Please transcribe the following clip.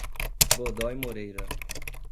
Godoy Moreira